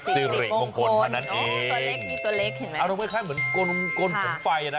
สิริของคนเท่านั้นเองโอ้โฮตัวเล็กอรุณไว้แค่เหมือนกนผงไฟนะ